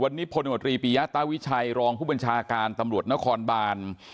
วันนี้พลมตรีปียะตาวิชัยรองผู้บัญชาการตำรวจนครบาน